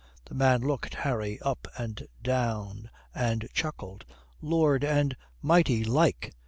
The man looked Harry up and down and chuckled. "Lord, and mighty like.